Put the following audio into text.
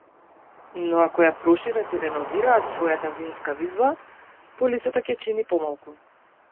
Но ако ја прошират и реновираат својата винска визба, полисата ќе чини помалку.